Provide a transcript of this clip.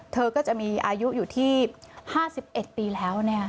เธอก็จะมีอายุอยู่ที่๕๑ปีแล้ว